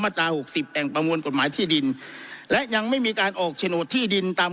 ตราหกสิบแห่งประมวลกฎหมายที่ดินและยังไม่มีการออกโฉนดที่ดินตาม